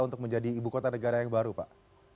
untuk menjadi ibu kota negara yang baru pak